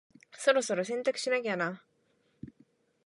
そろそろ洗濯しなきゃな。